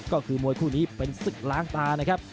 ก็คือมวยคู่นี้เป็นศึกล้างตานะครับ